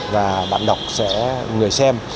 và bạn đọc sẽ người xem